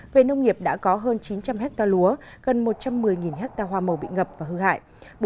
về nông nghiệp đã có hơn chín trăm linh hectare lúa gần một trăm một mươi hectare hoa màu bị ngập và hư hại